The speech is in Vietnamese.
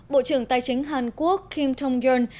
bộ trưởng tài chính hàn quốc kim tong yeol